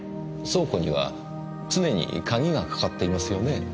倉庫には常に鍵がかかっていますよね？